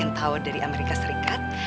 yang tower dari amerika serikat